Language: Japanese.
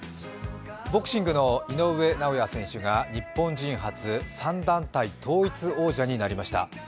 ボクシングの井上尚弥選手が日本人初、３団体統一王者になりました。